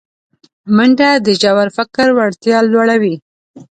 منډه د ژور فکر وړتیا لوړوي